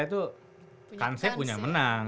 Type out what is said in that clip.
itu konsep punya menang